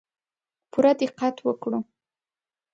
پوره دقت وکړو.